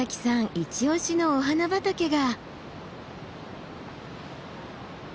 イチオシのお花畑が。